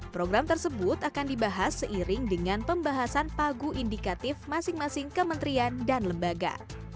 program tersebut akan dibahas seiring dengan pembahasan pagu indikatif masing masing kementerian dan lembaga